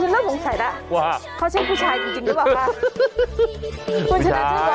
เขาใช้ผู้ชายจริงหรือเปล่า